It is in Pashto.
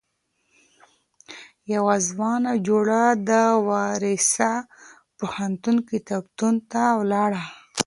يوه ځوانه جوړه د وارسا پوهنتون کتابتون ته ولاړه.